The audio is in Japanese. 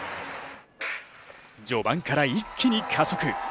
序盤から一気に加速。